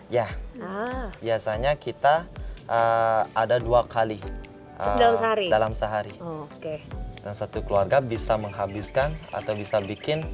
ya biasanya kita ada dua kali dalam sehari dan satu keluarga bisa menghabiskan atau bisa bikin